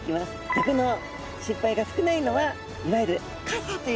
毒の心配が少ないのはいわゆる傘という部分なんですね。